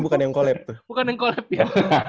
bukan yang collect ya